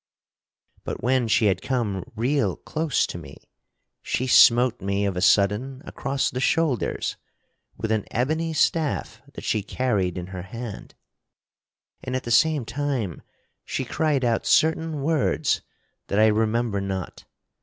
But when she had come real close to me, she smote me of a sudden across the shoulders with an ebony staff that she carried in her hand, and at the same time she cried out certain words that I remember not.